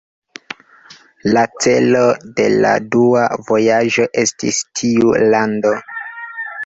La celo de la dua vojaĝo estis tiu lando.